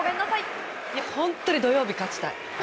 本当に土曜日勝ちたい。